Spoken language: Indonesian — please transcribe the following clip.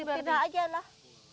kita pindah aja lah